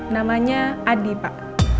namanya adi pak